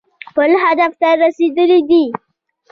خپل هدف ته رسېدلي دي.